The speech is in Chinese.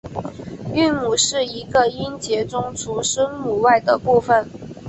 韵母是一个音节中除声母外的部分。